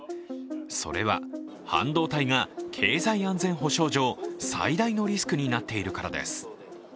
それは半導体が経済安全保障上最大のリスクになっているからです。